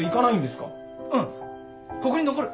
うんここに残る。